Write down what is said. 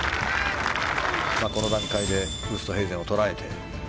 この段階でウーストヘイゼンを捉えて。